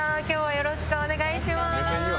よろしくお願いします。